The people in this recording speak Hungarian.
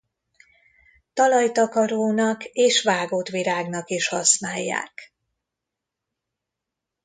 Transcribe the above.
Talajtakarónak és vágott virágnak is használják.